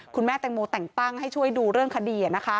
คุณแม่แตงโมแต่งตั้งให้ช่วยดูเรื่องคดี